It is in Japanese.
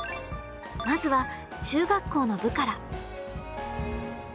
まずは中学校の部から。